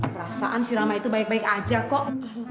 perasaan si rama itu baik baik aja kok